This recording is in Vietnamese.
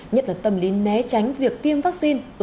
nhất là tâm lý né tránh việc tiêm vaccine